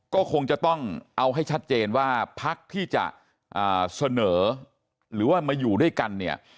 ก็คงจะต้องเอาให้ชัดเจนว่าพักที่จะเสนอหรือว่ามาอยู่ด้วยกันเนี่ย